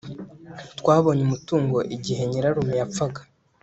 Twabonye umutungo igihe nyirarume yapfaga